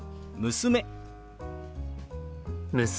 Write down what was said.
娘。